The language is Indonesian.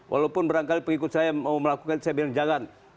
walaupun berangkali pengikut saya mau melakukan saya bilang jangan